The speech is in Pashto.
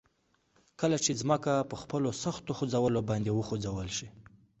کله چې ځمکه په خپلو سختو خوځولو باندي وخوځول شي